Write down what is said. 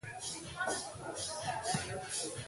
It is typically diagnosed by X-ray.